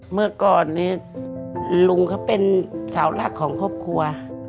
เมื่อก่อนนี้ลุงเขาเป็นสาวหลักของครอบครัว